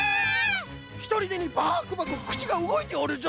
ひとりでにバクバクくちがうごいておるぞ！